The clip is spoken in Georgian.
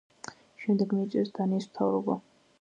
შემდეგ მიიწვიეს დანიის მთავრობა.